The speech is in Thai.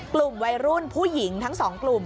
กลุ่มวัยรุ่นผู้หญิงทั้งสองกลุ่ม